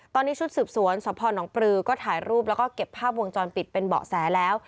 ตอนนี้ชุดสืบสวนสพนปลือก็ถ่ายรูปแล้วก็เก็บภาพวงจรปิดเป็นเบาะแสแล้ว